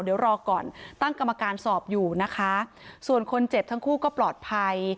เดี๋ยวรอก่อนตั้งกรรมการสอบอยู่นะคะส่วนคนเจ็บทั้งคู่ก็ปลอดภัย